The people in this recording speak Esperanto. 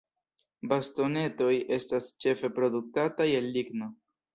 Bastonetoj estas ĉefe produktataj el ligno.